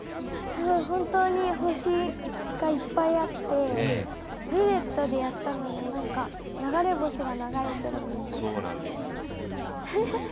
すごい本当に星がいっぱいあってルレットでやったのも流れ星が流れてるみたい。